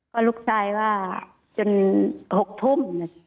ก็ลูกชายว่าจน๖ทุ่ม